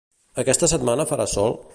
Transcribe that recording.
Aquesta setmana farà sol?